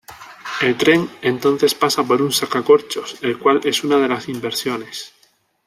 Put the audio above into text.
El tren entonces pasa por un sacacorchos, el cual es una de las inversiones.